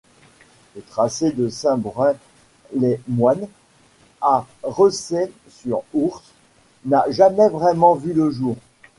Le tracé de Saint-Broing-les-Moines à Recey-sur-Ource n'a jamais vraiment vu le jour.